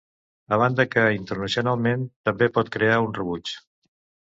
A banda que, internacionalment, també pot crear un rebuig.